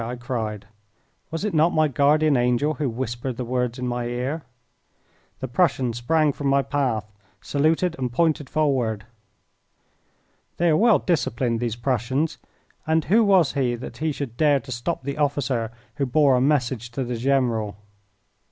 I cried. Was it not my guardian angel who whispered the words in my ear? The Prussian sprang from my path, saluted, and pointed forward. They are well disciplined, these Prussians, and who was he that he should dare to stop the officer who bore a message to the general?